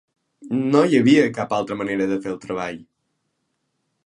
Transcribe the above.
No hi havia cap altra manera de fer el treball!